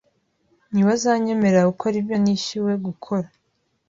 Ntibazanyemerera gukora ibyo nishyuwe gukora.